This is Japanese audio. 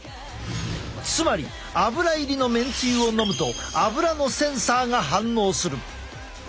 つまりアブラ入りのめんつゆを飲むとアブラのセンサーが反応する。